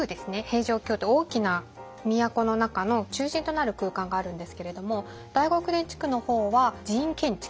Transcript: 平城宮って大きな都の中の中心となる空間があるんですけれども大極殿地区の方は寺院建築。